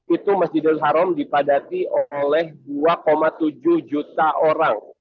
itu masjidul haram dipadati oleh dua tujuh juta orang